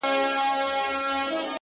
لكه برېښنا؛